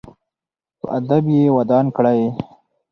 په ادب یې ودان کړئ.